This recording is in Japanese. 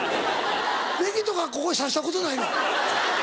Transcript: ネギとかここさしたことないの？